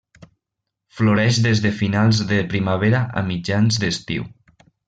Floreix des de finals de primavera a mitjans d'estiu.